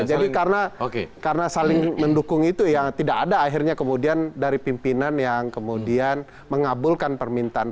jadi karena saling mendukung itu tidak ada akhirnya kemudian dari pimpinan yang kemudian mengabulkan permintaan